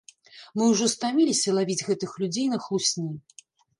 Мы ўжо стаміліся лавіць гэтых людзей на хлусні!